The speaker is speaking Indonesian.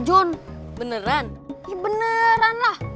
john beneran beneran lah